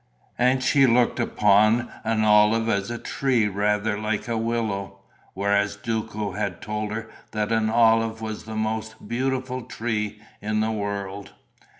And she looked upon an olive as a tree rather like a willow, whereas Duco had told her that an olive was the most beautiful tree in the world.